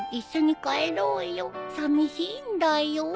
さみしいんだよぉ。